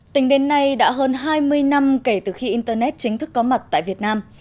tính đến nay đã hơn hai mươi năm kể từ khi internet chính thức có mặt tại việt nam